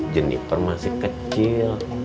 jeniper masih kecil